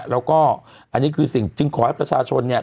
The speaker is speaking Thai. แล้วก็อันนี้คือสิ่งจึงขอให้ประชาชนเนี่ย